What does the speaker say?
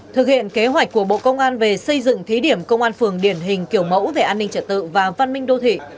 thực hiện kế hoạch của bộ công an về xây dựng thí điểm công an phường điển hình kiểu mẫu về an ninh trật tự và văn minh đô thị